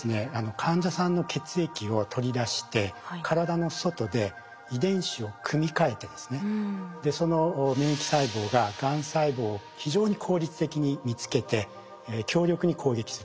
患者さんの血液を取り出して体の外で遺伝子を組み換えてですねその免疫細胞ががん細胞を非常に効率的に見つけて強力に攻撃する。